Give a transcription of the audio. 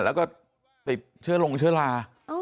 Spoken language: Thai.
แล้วก็ติดเชื้อลงเชื้อรา